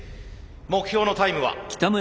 目標のタイムは？